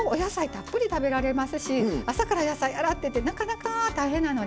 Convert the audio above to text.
たっぷり食べられますし朝から野菜洗ってってなかなか大変なのでね